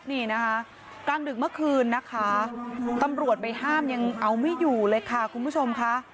นี่นะคะกลางดึกเมื่อคืนนะคะตำรวจไปห้ามยังเอาไม่อยู่เลยค่ะคุณผู้ชมค่ะ